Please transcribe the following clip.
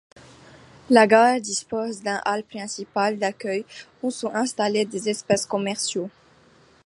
La gare dispose d'un hall principal d'accueil, où sont installés des espaces commerciaux.